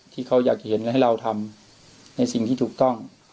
ที่เขาอยากเห็นให้เราทำในสิ่งที่ถูกต้อง